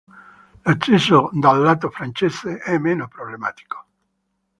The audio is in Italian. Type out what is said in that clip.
L'accesso dal lato francese è meno problematico.